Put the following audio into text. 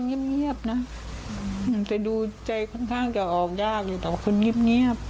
อืมแต่ดูใจค่อนข้างจะออกยากอยู่ต่อคนยิบเงียบ